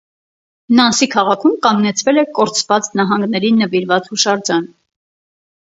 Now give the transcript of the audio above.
Նանսի քաղաքում կանգնեցվել է կորցված նահանգներին նվիրված հուշարձան։